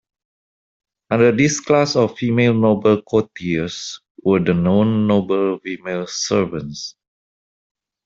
Under this class of female noble courtiers, were the non-noble female servants.